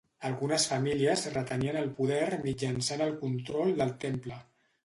Algunes famílies retenien el poder mitjançant el control del temple.